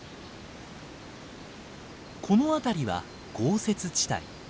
この辺りは豪雪地帯。